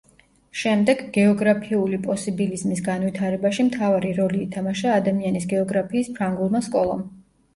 შემდეგ გეოგრაფიული პოსიბილიზმის განვითარებაში მთავარი როლი ითამაშა „ადამიანის გეოგრაფიის“ ფრანგულმა სკოლამ.